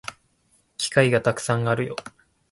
機会がたくさんあるよ